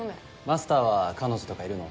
マスターは彼女とかいるの？